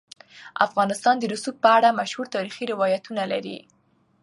افغانستان د رسوب په اړه مشهور تاریخی روایتونه لري.